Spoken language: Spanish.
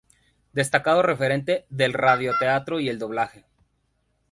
Destacado referente del radioteatro y el doblaje.